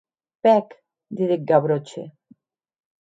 Pèc, didec Gavroche.